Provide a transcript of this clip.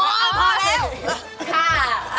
พอพอ